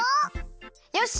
よし！